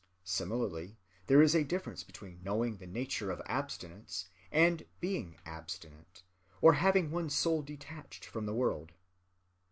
Similarly there is a difference between knowing the nature of abstinence, and being abstinent or having one's soul detached from the world.